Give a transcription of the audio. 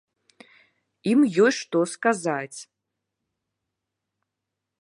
Ім ёсць што сказаць.